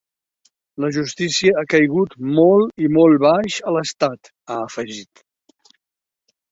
La justícia ha caigut molt i molt baix a l’estat, ha afegit.